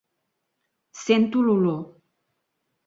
Sento l'olor.